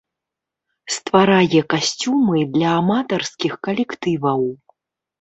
Стварае касцюмы для аматарскіх калектываў.